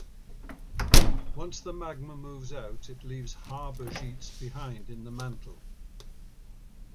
Once the magma moves out it leaves harzburgites behind in the mantle.